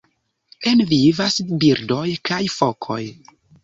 En vivas birdoj kaj fokoj.